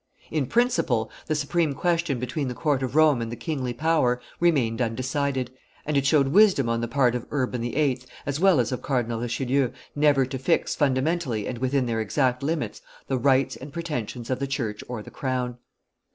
In principle, the supreme question between the court of Rome and the kingly power remained undecided, and it showed wisdom on the part of Urban VIII., as well as of Cardinal Richelieu, never to fix fundamentally and within their exact limits the rights and pretensions of the church or the crown.